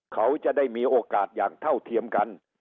เขาจะได้มีโอกาสอย่างเท่าเทียมกัน